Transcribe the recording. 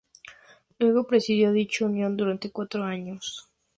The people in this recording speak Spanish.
Luego presidió dicha Unión durante cuatro años.